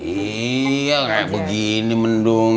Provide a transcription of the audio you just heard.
iya kayak begini mendung